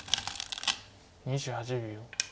２８秒。